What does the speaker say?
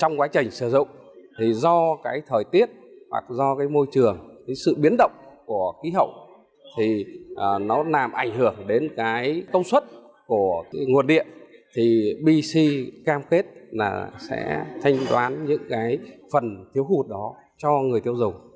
giải pháp những phần thiếu hụt đó cho người tiêu dùng